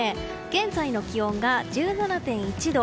現在の気温が１７．１度。